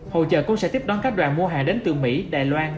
hội trợ cũng sẽ tiếp đón các đoàn mua hàng đến từ mỹ đài loan